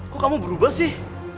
kok kamu berubah sih